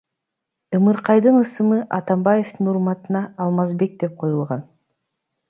Ымыркайдын ысымы Атамбаевдин урматына Алмазбек деп коюлган.